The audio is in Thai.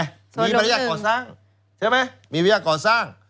สวนหลวงหนึ่งมีบรรยาทก่อสร้างเชื่อไหมมีบรรยาทก่อสร้าง